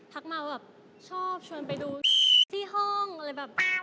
มาแบบชอบชวนไปดูที่ห้องอะไรแบบ